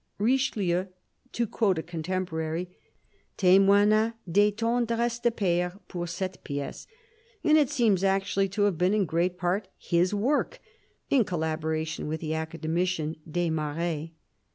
Richelieu, to quote a contemporary, " t^moigna des ten dresses de pfere pour cette piece "; and it seems actually to have been in great part his work, in collaboration with the academician ' Desmarets.